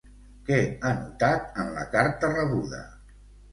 Què ha notat en la carta rebuda?